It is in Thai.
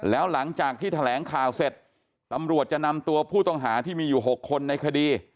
แล้วหลังจากที่แถลงข่าวเสร็จตำรวจจะนำตัวผู้ต้องหาที่มีอยู่๖คนในคดี